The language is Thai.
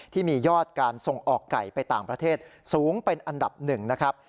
ที่มียอดการส่งออกไก่ไปต่างประเทศสูงเป็นอันดับหนึ่งนะครับ